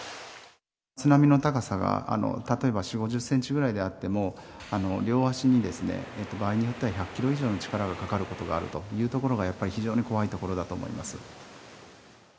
津波の高さが例えば４、５０センチくらいであっても、両足に場合によっては１００キロ以上の力がかかることがあるというところが、やっぱり非常に怖いところだと思います。